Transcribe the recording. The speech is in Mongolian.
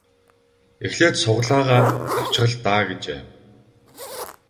Эхлээд сугалаагаа авчих л даа гэжээ.